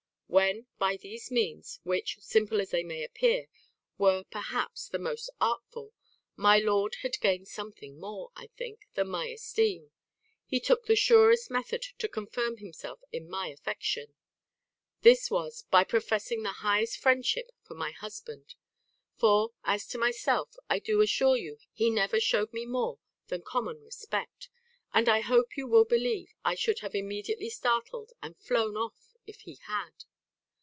"When, by these means, which, simple as they may appear, were, perhaps, the most artful, my lord had gained something more, I think, than my esteem, he took the surest method to confirm himself in my affection. This was, by professing the highest friendship for my husband; for, as to myself, I do assure you he never shewed me more than common respect; and I hope you will believe I should have immediately startled and flown off if he had.